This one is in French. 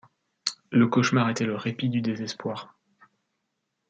Le cauchemar était le répit du désespoir.